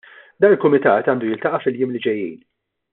Dan il-kumitat għandu jiltaqa' fil-jiem li ġejjin.